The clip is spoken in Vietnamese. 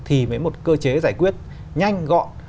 thì với một cơ chế giải quyết nhanh gọn